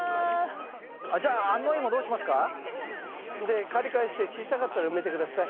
じゃあ安納いもどうしますか？でかりかりして小さかったら埋めて下さい。